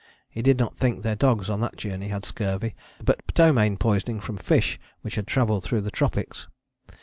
He did not think their dogs on that journey had scurvy, but ptomaine poisoning from fish which had travelled through the tropics.